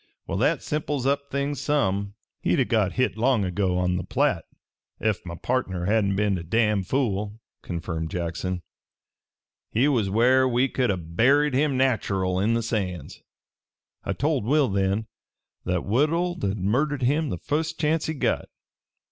"Well, that simples up things some." "He'd o' got hit long ago, on the Platte, ef my partner hadn't been a damned fool," confirmed Jackson. "He was where we could a' buried him nach'erl, in the sands. I told Will then that Woodhull'd murder him the fust chancet he got.